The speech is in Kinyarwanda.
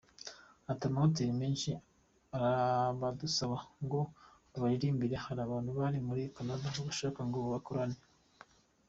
Ati “Amahoteri menshi arabadusaba ngo babaririmbire, hari abantu bari muri Canada babashaka ngo bakorane.